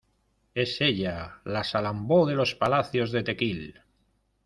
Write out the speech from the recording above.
¡ es ella, la Salambó de los palacios de Tequil!...